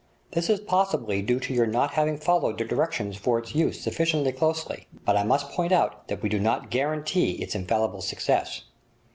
This is possibly due to your not having followed the directions for its use sufficiently closely, but I must point out that we do not guarantee its infallible success.